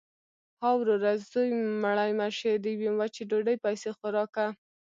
– ها وروره! زوی مړی مه شې. د یوې وچې ډوډۍ پیسې خو راکه.